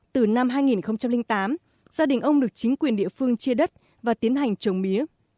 từ năm hai nghìn tám gia đình ông được chính quyền địa phương chia đất và tiến hành trồng mía